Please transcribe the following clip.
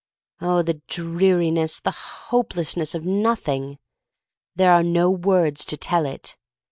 Oh, the dreariness — the hopelessness of Nothing! There are no words to tell it.